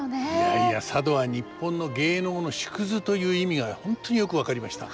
いやいや佐渡は日本の芸能の縮図という意味が本当によく分かりました。